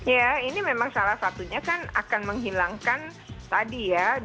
ya ini memang salah satunya kan akan menghilangkan tadi ya